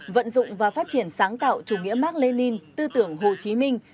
vận dụng và phát triển sáng tạo chủ nghĩa mark lenin tư tưởng hồ chí minh